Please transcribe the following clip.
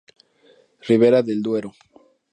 Ribera del Duero.